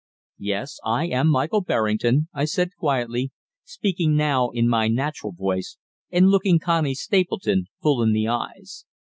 "Yes, I am Michael Berrington," I said quietly, speaking now in my natural voice, and looking Connie Stapleton full in the eyes.